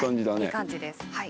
いい感じですはい。